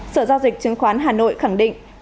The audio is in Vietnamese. sở giao dịch chứng khoán hà nội khẳng định